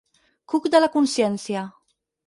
Cuc de la consciència.